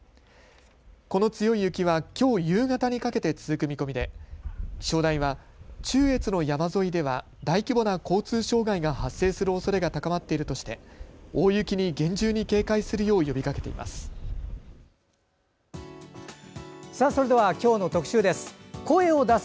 この強い雪は今日夕方にかけて続く見込みで気象台は中越の山沿いでは大規模な交通障害が発生するおそれが高まっているとして大雪に厳重に警戒するよう呼びかけています。